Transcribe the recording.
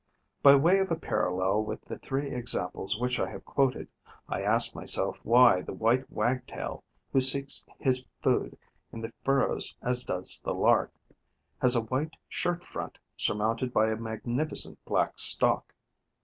By way of a parallel with the three examples which I have quoted, I ask myself why the White Wagtail, who seeks his food in the furrows as does the Lark, has a white shirt front surmounted by a magnificent black stock.